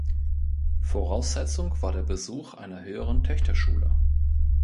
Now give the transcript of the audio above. Voraussetzung war der Besuch einer Höheren Töchterschule.